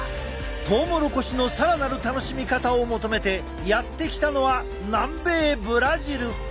トウモロコシの更なる楽しみ方を求めてやって来たのは南米ブラジル。